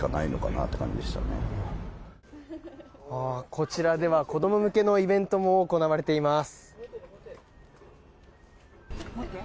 こちらでは子ども向けのイベントも行われています。